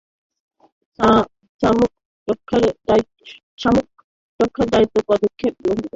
শামুক রক্ষায় দ্রুত পদক্ষেপ গ্রহণ করা জরুরি বলে মনে করেন গবেষকদ্বয়।